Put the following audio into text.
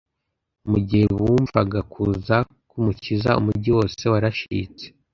Mu gihe bumvaga kuza k'Umukiza, umugi wose warashitse.